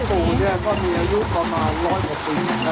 พบูเนี่ยก็มีอายุประมาณร้อยหกปีนะคะ